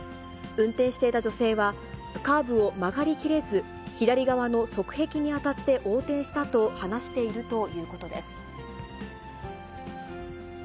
運転していた女性は、カーブを曲がり切れず、左側の側壁に当たって横転したと話しているということです。